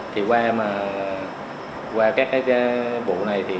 thì qua các bộ này các đối tượng này đã